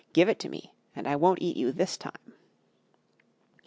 "Give it to me and I won't eat you this time."